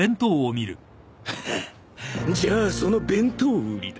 ハハッじゃあその弁当売りだ。